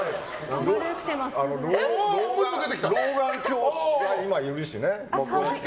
老眼鏡もいるしね。